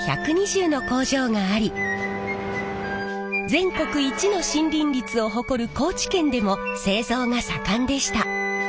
全国一の森林率を誇る高知県でも製造が盛んでした。